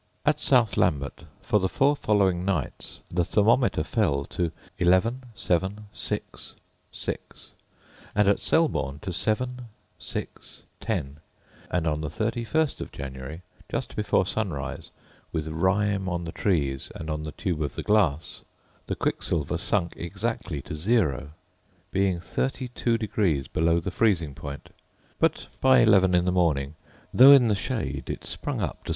At South Lambeth, for the four following nights, the thermometer fell to 11, 7, 6, 6; and at Selborne to 7, 6, 10; and on the 31st January, just before sunrise, with rime on the trees and on the tube of the glass, the quicksilver sunk exactly to zero, being 32 degrees below the freezing point; but by eleven in the morning, though in the shade, it sprung up to 16.